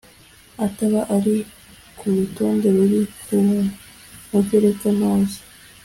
utaba uri ku rutonde ruri ku mugereka ntaze.